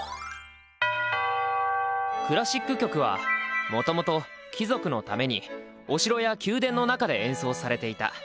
クラシック曲はもともと貴族のためにお城や宮殿の中で演奏されていた。